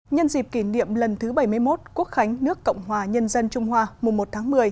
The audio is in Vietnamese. nhân dịp kỷ niệm lần thứ bảy mươi một quốc khánh nước cộng hòa nhân dân trung hoa mùa một tháng một mươi